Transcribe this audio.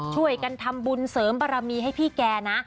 ช่วยกันทำบุญเสริมบารมีให้พี่แกนะ